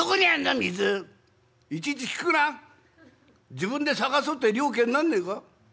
自分で探そうって了見なんねえか？